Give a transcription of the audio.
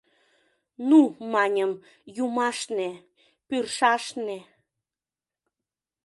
Ну, маньым, юмашне, пӱршашне!..